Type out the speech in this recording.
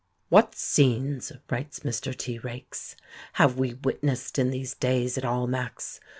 "What scenes," writes Mr T. Raikes, "have we witnessed in these days at Almack's!